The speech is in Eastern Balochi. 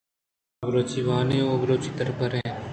ما بلوچی وان ایں ءُ بلوچی دربر ایں۔